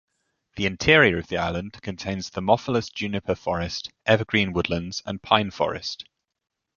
The interior of the island contains thermophilous juniper forest, evergreen woodlands and pine forest.